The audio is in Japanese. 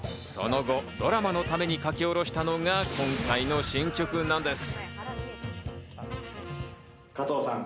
その後、ドラマのために書き下ろしたのが今回の新曲なんです。